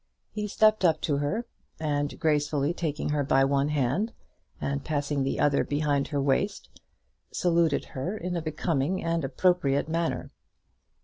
He stepped up to her, and gracefully taking her by one hand, and passing the other behind her waist, saluted her in a becoming and appropriate manner.